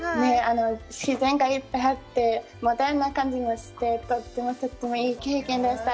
自然がいっぱいあって、モダンな感じもして、とってもとってもいい経験でした。